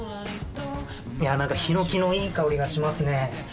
いやーなんか、ヒノキのいい香りがしますね。